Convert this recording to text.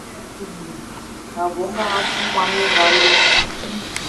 A bou ngang assou y mwani o nga lom.